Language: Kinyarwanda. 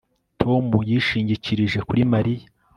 Tom yishingikirije kuri Mariya